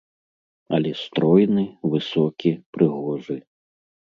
Але стройны, высокі, прыгожы.